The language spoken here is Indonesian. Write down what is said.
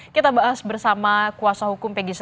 kita bahas bersama kuasa hukum peggy setiawan